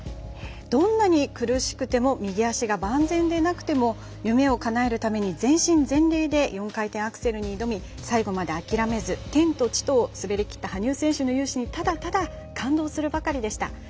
どんなに苦しくても右足が万全でなくても夢をかなえるために全身全霊で４回転アクセルに挑み最後まで諦めず「天と地と」を滑りきった羽生選手の雄姿にただただ感動するばかりでした。